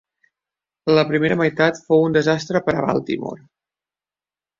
La primera meitat fou un desastre per a Baltimore.